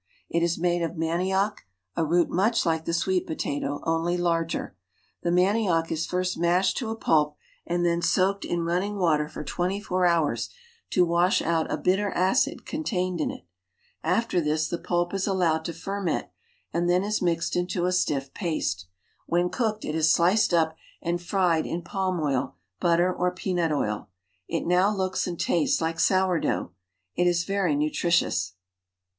It is made of manioc root much like the sweet potato, only larger. Th nanioc is first mashed to a pulp and then soaked ir unning water for twenty four hours to wash out a bit er acid contained in it. After this the pulp is allowec M TRADE AND COMMERCE OF THE KONGO 24$ to ferment, and then is mixed into a stiff paste. When cooked, it is sliced up and fried in palm oil, butter, or peanut oil. It now looks and tastes like sour dough. It is very nutritious.